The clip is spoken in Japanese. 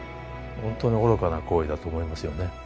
ほんとに愚かな行為だと思いますよね。